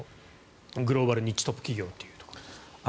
グローバルニッチトップ企業というところですが。